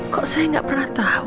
kok saya gak pernah tahu